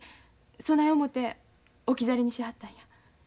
そない思て置き去りにしはったんや。